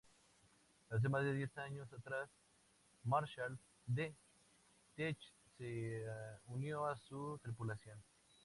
Hace más de diez años atrás, Marshall D. Teach se unió a su tripulación.